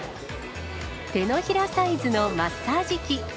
手のひらサイズのマッサージ器。